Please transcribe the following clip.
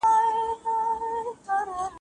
رغوی مې لوند دی،